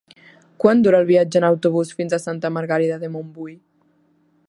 Quant dura el viatge en autobús fins a Santa Margarida de Montbui?